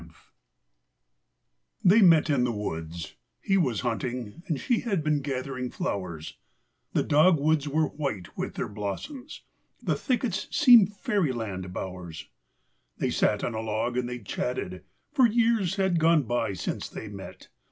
\/ MET in the woods; ] t 1 j was hunting, and LI Ull 1—3 U she had been gather¬ ing flowers; The dogwoods were white with their blos¬ soms ; the thickets seemed Fairyland bowers; They sat on a log and ^ they chatted, for years had gone by since they met.